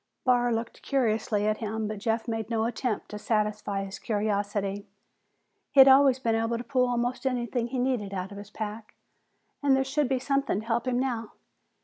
Barr looked curiously at him but Jeff made no attempt to satisfy his curiosity. He'd always been able to pull almost anything he needed out of his pack and there should be something to help him now.